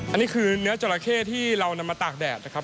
อันนี้คือเนื้อจราเข้ที่เรานำมาตากแดดนะครับ